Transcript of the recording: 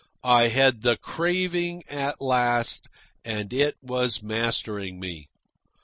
I had the craving at last, and it was mastering me.